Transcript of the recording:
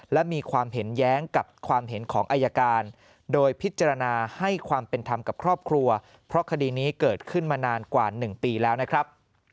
และมีความเห็นแย้งกับความเห็นของอายการโดยพิจารณาให้ความเป็นธรรมกับครอบครัวเพราะคดีนี้เกิดขึ้นมานานกว่า๑ปีแล้วนะครับ